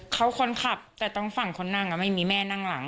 เขาคนขับแต่ต้องฝั่งคนนั่งไม่มีแม่นั่งหลัง